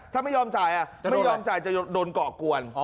ถ้าไม่ยอมจ่ายไม่ยอมจ่ายจะโดนก่อกวน